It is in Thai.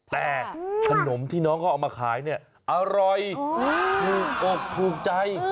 แต่ขนมที่น้องเขาเอามาขายเนี่ยอร่อยถูกอกถูกใจ